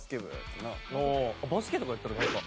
バスケとかやったらなんか。